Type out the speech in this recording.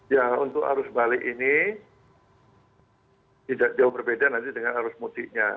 ya untuk arus balik ini tidak jauh berbeda nanti dengan arus mudiknya